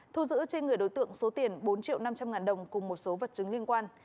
thu giữ trên người đối tượng số tiền bốn triệu năm trăm linh ngàn đồng cùng một số vật chứng liên quan